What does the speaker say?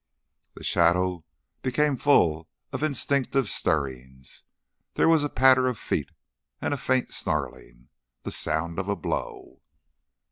The shadow became full of instinctive stirrings. There was a patter of feet, and a faint snarling the sound of a blow.